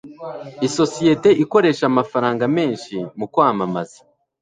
isosiyete ikoresha amafaranga menshi mukwamamaza